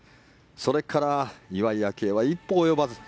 それから岩井明愛は一歩及ばず。